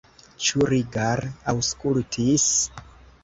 Ĉu Rigar aŭskultis?